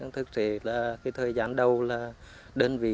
thực sự là thời gian đầu là đơn vị